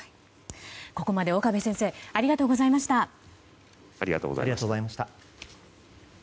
ここまで岡部先生ありがとうございました。